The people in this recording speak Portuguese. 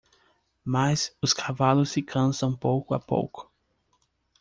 Mas os cavalos se cansam pouco a pouco.